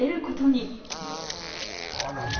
あらま。